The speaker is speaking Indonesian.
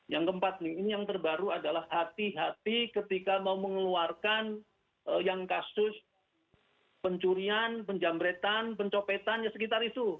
yang keempat nih ini yang terbaru adalah hati hati ketika mau mengeluarkan yang kasus pencurian penjamretan pencopetan ya sekitar itu